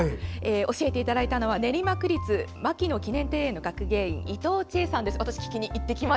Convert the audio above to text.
教えていただいたのは練馬区立牧野記念庭園の学芸員伊藤千恵さんです。